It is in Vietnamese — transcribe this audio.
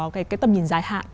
cái tầm nhìn giải hạn